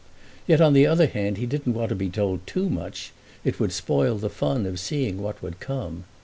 Yet on the other hand he didn't want to be told too much—it would spoil the fun of seeing what would come.